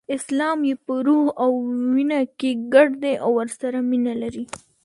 اسلام یې په روح او وینه کې ګډ دی او ورسره مینه لري.